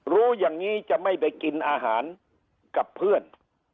รู้อย่างนี้จะไม่ไปกินอาหารกับเพื่อน